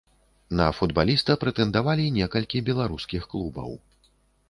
На футбаліста прэтэндавалі некалькі беларускіх клубаў.